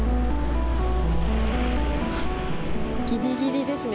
ギリギリですね。